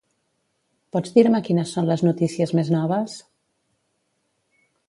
Pots dir-me quines són les notícies més noves?